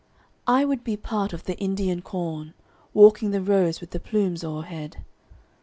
I would be part of the Indian corn, Walking the rows with the plumes o'erhead.